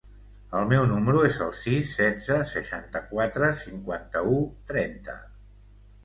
El meu número es el sis, setze, seixanta-quatre, cinquanta-u, trenta.